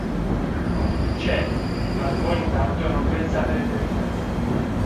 C'è, ma voi intanto non pensate all'eternità.